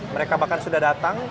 mereka bahkan sudah datang